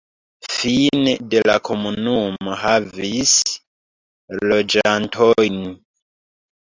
Fine de la komunumo havis loĝantojn..